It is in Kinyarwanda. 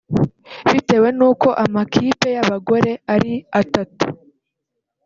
Bitewe n’uko amakipe y’abagore ari atatu